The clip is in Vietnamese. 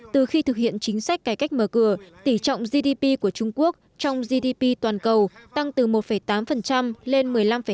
từ khi thực hiện chính sách cải cách mở cửa tỷ trọng gdp của trung quốc trong gdp toàn cầu tăng từ một tám lên một mươi năm năm